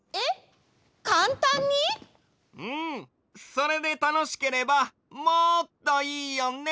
それでたのしければもっといいよね！